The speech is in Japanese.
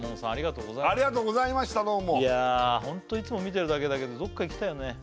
いやホントいつも見てるだけだけどどこか行きたいよねね